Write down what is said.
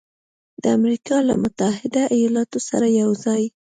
د امریکا له متحده ایالاتو سره یوځای